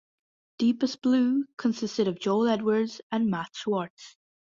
Deepest Blue consisted of Joel Edwards and Matt Schwartz.